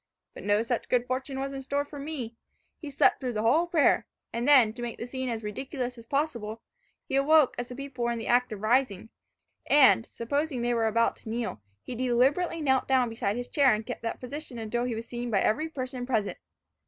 But no such good fortune was in store for me. He slept through the whole prayer; and then, to make the scene as ridiculous as possible, he awoke as the people were in the act of rising, and, supposing they were about to kneel, he deliberately knelt down beside his chair, and kept that position until he was seen by every person present.